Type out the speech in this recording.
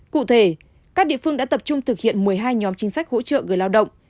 cụ thể các địa phương đã tập trung thực hiện một mươi hai nhóm chính sách hỗ trợ người lao động